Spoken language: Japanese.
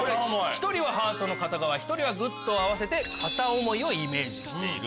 １人はハートの片側１人はグッドを合わせて片思いをイメージしている。